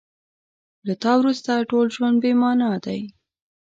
له تا وروسته ټول ژوند بې مانا دی.